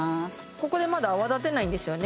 ここでまだ泡立てないんですよね